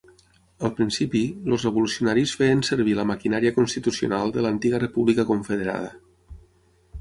Al principi, els revolucionaris feien servir la maquinària constitucional de l'antiga república confederada.